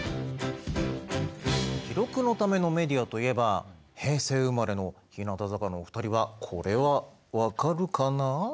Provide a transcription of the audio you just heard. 「記録のためのメディア」といえば平成生まれの日向坂のお二人はこれは分かるかな？